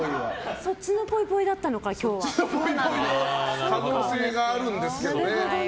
そっちのぽいぽいだったのかその可能性があるんですよね。